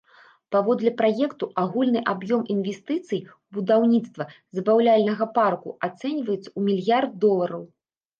Паводле праекту агульны аб'ём інвестыцый ў будаўніцтва забаўляльнага парка ацэньваецца ў мільярд долараў.